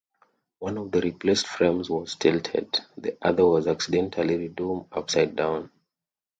One of the replaced frames was tilted; the other was accidentally redone upside-down.